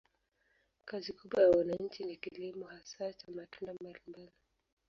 Kazi kubwa ya wananchi ni kilimo, hasa cha matunda mbalimbali.